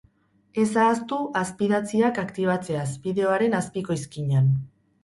Ez ahaztu azpidatziak aktibatzeaz, bideoaren azpiko izkinan.